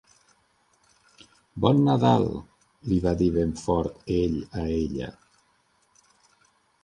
"Bon Nadal!", li va dir ben fort ell a ella.